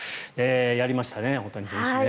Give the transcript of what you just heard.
やりましたね、大谷選手ね。